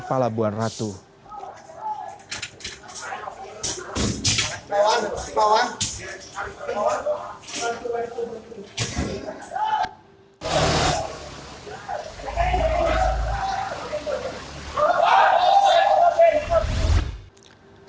puluhan puluhan puluhan